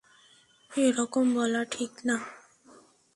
এরকম বলা ঠিক না।